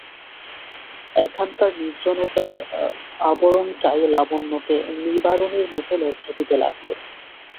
এখানকার নির্জনতার আবরণটাই লাবণ্যকে নিরাবরণের মতো লজ্জা দিতে লাগল।